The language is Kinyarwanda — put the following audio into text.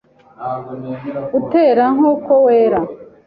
Utera nk’uko wera